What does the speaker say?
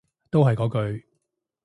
都係嗰句